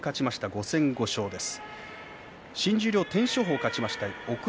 ５戦５勝です。